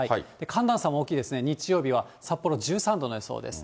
寒暖差も大きいですね、日曜日は札幌１３度の予想です。